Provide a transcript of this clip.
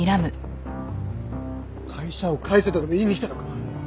会社を返せとでも言いに来たのか！？